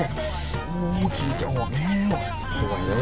โอ้ยคีย์จากหวาน